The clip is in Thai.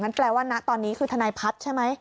แปลว่าณตอนนี้คือทนายพัฒน์ใช่ไหม